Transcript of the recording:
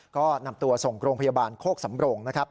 ก็นำตัวส่งโครงพยาบาลโฆกสำโรง